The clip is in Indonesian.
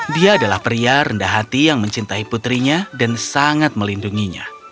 dia adalah pria rendah hati yang mencintai putrinya dan sangat melindunginya